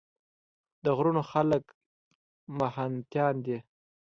د غرونو خلک محنتيان دي ـ